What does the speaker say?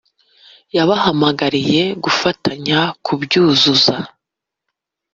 yabahamagariye gufatanya kubyuzuza